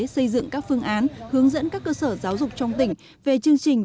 xây dựng các phương án hướng dẫn các cơ sở giáo dục trong tỉnh về chương trình